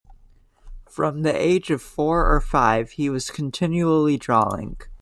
From the age of four or five he was continually drawing.